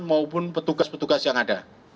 maupun petugas petugas yang ada